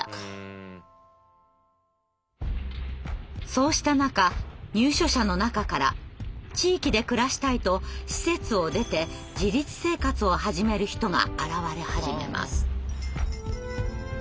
そうした中入所者の中から地域で暮らしたいと施設を出て自立生活を始める人が現れ始めます。